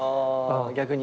逆に？